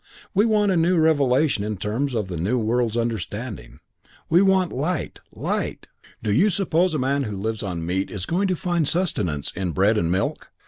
We want a new revelation in terms of the new world's understanding. We want light, light! Do you suppose a man who lives on meat is going to find sustenance in bread and milk?